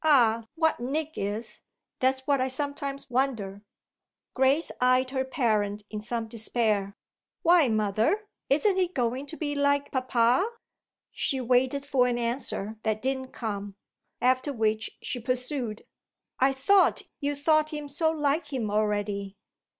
"Ah what Nick is that's what I sometimes wonder!" Grace eyed her parent in some despair: "Why, mother, isn't he going to be like papa?" She waited for an answer that didn't come; after which she pursued: "I thought you thought him so like him already."